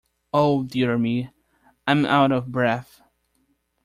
Oh, dear me, I'm out of breath.